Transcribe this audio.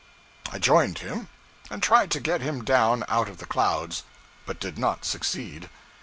I joined him, and tried to get him down out of the clouds, but did not succeed.